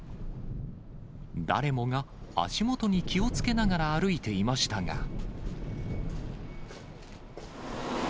誰もが足元に気をつけながら歩いていましたが。